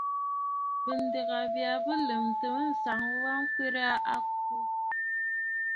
Mɨ̀ndɨgə mya kɔʼɔ lɨmtə ànsaŋ wa ŋkwerə a kwô.